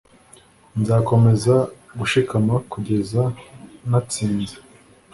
nzakomeza gushikama kugeza natsinze